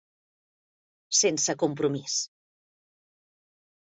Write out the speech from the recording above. Sense compromís.